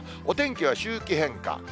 お天気は周期変化。